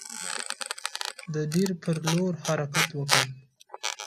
د دیر پر لور حرکت وکړ.